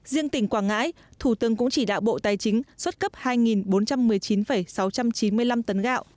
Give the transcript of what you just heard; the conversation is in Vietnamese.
riêng tỉnh quảng ngãi thủ tướng cũng chỉ đạo bộ tài chính xuất cấp hai bốn trăm một mươi chín sáu trăm chín mươi năm tấn gạo